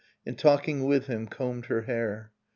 And talking with him combed her hair.